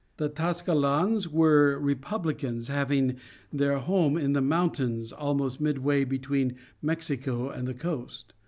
The Tlascalans were republicans having their home in the mountains almost midway between Mexico and the coast.